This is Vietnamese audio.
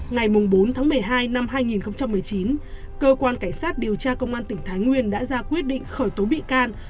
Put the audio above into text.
ngày bốn tháng một mươi hai năm hai nghìn một mươi chín cơ quan cảnh sát điều tra công an tỉnh thái nguyên đã ra quyết định khởi tố bị can